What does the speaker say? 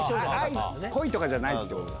恋じゃないってことだ。